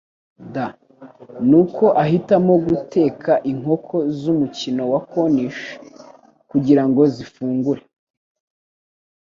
d, nuko ahitamo guteka inkoko zumukino wa Cornish kugirango zifungure.